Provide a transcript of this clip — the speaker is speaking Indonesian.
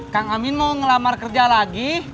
kang amin mau ngelamar kerja lagi